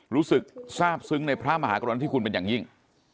รู้สึกทราบซึ้งในพระมหากรุณที่คุณเป็นอย่างยิ่ง